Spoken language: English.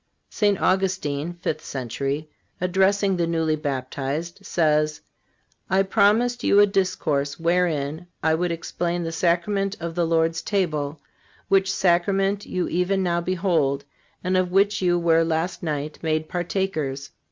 " St. Augustine (fifth century), addressing the newly baptized, says: "I promised you a discourse wherein I would explain the sacrament of the Lord's table, which sacrament you even now behold, and of which you were last night made partakers.